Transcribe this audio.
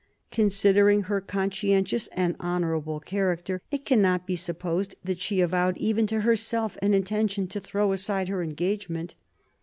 Considering her conscientious and 46 MARIA THERESA chap, ii honourable character, it cannot be supposed that she avowed even to herself an intention to throw aside her engagement.